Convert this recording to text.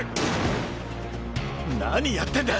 何やってんだ！